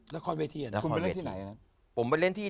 ละครเวทีอะคุณไปเล่นที่ไหนอะ